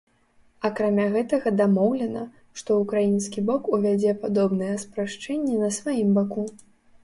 Акрамя гэтага дамоўлена, што ўкраінскі бок увядзе падобныя спрашчэнні на сваім баку.